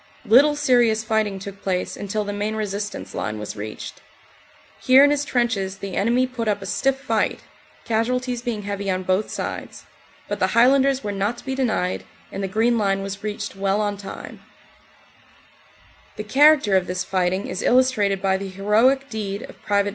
Little serious fighting took place until the main resistance line was reached. Here in his trenches the enemy put up a stiff fight, casualties being heavy on both sides, but the Highlanders were not to be denied, and the Green Line was reached well on time. OPERATIONS: AUG. 8. CONTINUED 47 The character of this fighting is illustrated by the heroic deed of Pte.